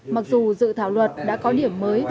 mặc dù dự thảo luật đã có điểm mới